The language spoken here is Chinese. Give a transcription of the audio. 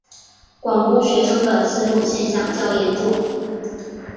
广东学生的此种现象较严重。